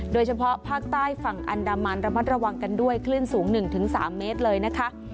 โดยเฉพาะภาคใต้ฝั่งอันดามันระมัดระวังกันด้วยคลื่นสูง๑๓เมตรเลยนะคะ